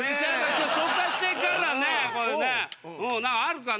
今日紹介していくからねあるかな？